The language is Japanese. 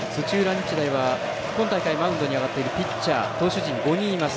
日大は今大会マウンドに上がっているピッチャー、投手陣、５人います。